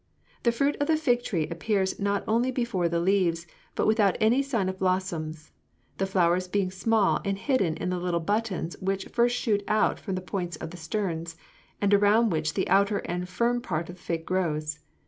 The fruit of the fig tree appears not only before the leaves, but without any sign of blossoms, the flowers being small and hidden in the little buttons which first shoot out from the points of the sterns, and around which the outer and firm part of the fig grows.